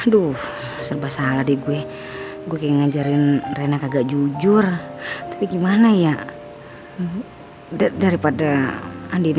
aduh serba salah deh gue gue ngajarin rena kagak jujur tapi gimana ya daripada andi